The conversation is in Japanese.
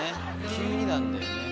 急になんだよね。